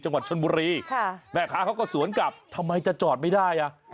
จังหวัดชนบุรีแม่ค้าเขาก็สวนกลับทำไมจะจอดไม่ได้อ่ะ